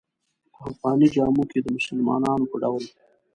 په افغاني جامو کې د مسلمانانو په ډول.